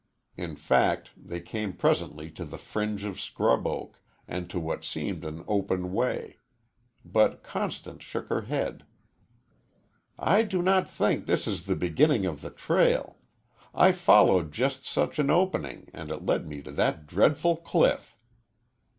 In fact, they came presently to the fringe of scrub oak, and to what seemed an open way. But Constance shook her head. "I do not think this is the beginning of the trail. I followed just such an opening, and it led me to that dreadful cliff."